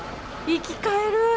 生き返る！